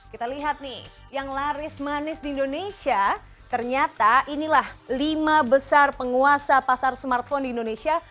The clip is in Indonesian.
kita lihat nih yang laris manis di indonesia ternyata inilah lima besar penguasa pasar smartphone di indonesia